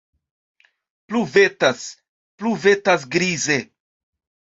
Pluvetas, pluvetas grize.